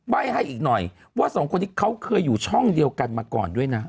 ใบ้ให้อีกหน่อยว่าสองคนนี้เขาเคยอยู่ช่องเดียวกันมาก่อนด้วยนะ